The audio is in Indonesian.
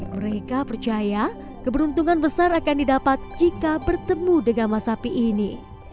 mereka percaya keberuntungan besar akan didapat jika bertemu dengan masapi ini